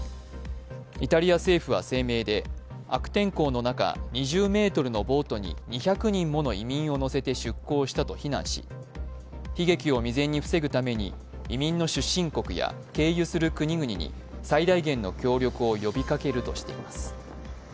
イタリア政府は声明で、悪天候の中２０ｍのボートに２００人もの移民を乗せて出港したと非難し、悲劇を未然に防ぐために移民の出身国や経由する国々に最大限の協力を呼びかけるとしています。